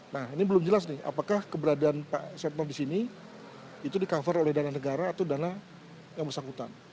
nah ini belum jelas nih apakah keberadaan pak setno disini itu di cover oleh dana negara atau dana yang bersangkutan